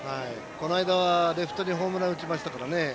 この間レフトにホームランを打ちましたからね。